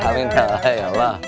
amin ya allah